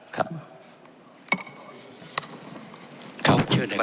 ครับเชิญนะครับ